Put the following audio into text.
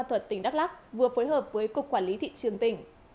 công an tp hcm vừa phối hợp với cục quản lý thị trường tỉnh